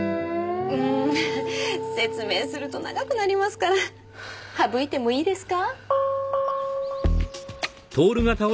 うん。説明すると長くなりますから省いてもいいですか？